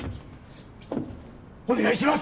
お願いします！